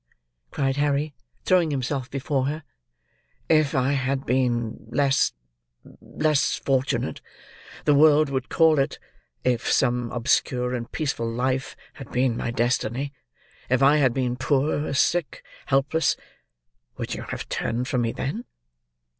cried Harry, throwing himself before her. "If I had been less—less fortunate, the world would call it—if some obscure and peaceful life had been my destiny—if I had been poor, sick, helpless—would you have turned from me then?